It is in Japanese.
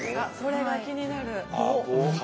それが気になる。